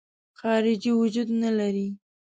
خارجي وجود نه لري.